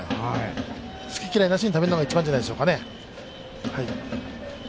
好き嫌いなしに食べるのが一番じゃないでしょうかね。